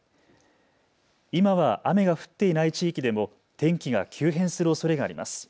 今は雨が降っていない地域でも天気が急変するおそれがあります。